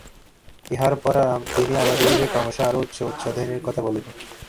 ইহার পর তিনি আমাদিগকে ক্রমশ আরও উচ্চ উচ্চ ধ্যানের কথা বলিবেন।